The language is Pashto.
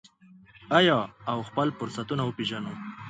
آیا او خپل فرصتونه وپیژنو؟